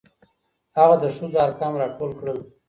هغه د ښځو ارقام راټول کړل.